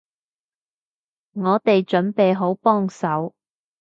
我哋準備好幫手